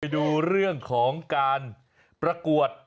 ดูเรื่องของการประกวด